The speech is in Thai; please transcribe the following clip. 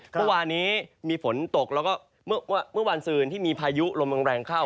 เมื่อวานนี้มีฝนตกแล้วก็เมื่อวานซืนที่มีพายุลมแรงเข้า